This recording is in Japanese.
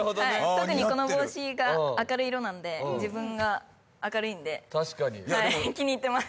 特にこの帽子が明るい色なんで自分が明るいんで気に入ってます